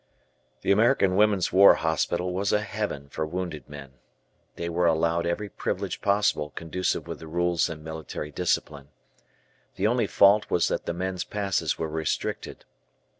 The American Women's War Hospital was a heaven for wounded men. They were allowed every privilege possible conducive with the rules and military discipline. The only fault was that the men's passes were restricted.